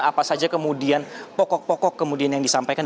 apa saja kemudian pokok pokok kemudian yang disampaikan